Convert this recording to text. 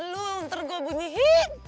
lu ntar gue bunyi hit